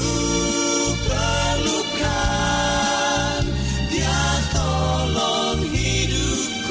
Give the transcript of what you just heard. ku perlukan dia tolong hidupku